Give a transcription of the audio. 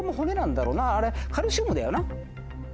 あれカルシウムだよな？